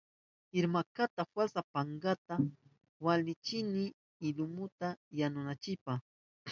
Irmankata walsa pankawa wichkashkani lumuta yanunaynipa.